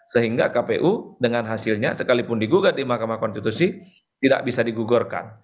sehingga kpu dengan hasilnya sekalipun digugat di mahkamah konstitusi tidak bisa digugurkan